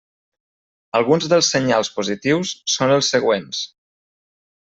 Alguns dels senyals positius són els següents.